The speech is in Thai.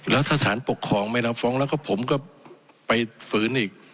แล้วถ้าสารปกครองไม่รับฟ้องแล้วก็ผมก็ไปฝืนอีก